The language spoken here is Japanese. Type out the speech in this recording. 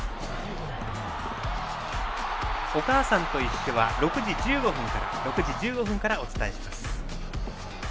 「おかあさんといっしょ」は６時１５分からお伝えします。